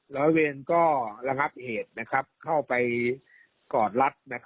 ร้อยเวรก็ระงับเหตุเข้าไปกอดรัด